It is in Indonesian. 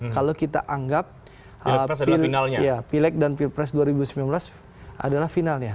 kalau kita anggap pileg dan pilpres dua ribu sembilan belas adalah finalnya